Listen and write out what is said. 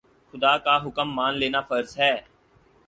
خدا کا حکم مان لینا فرض ہے